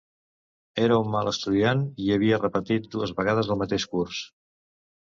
Era un mal estudiant i havia repetit dues vegades el mateix curs.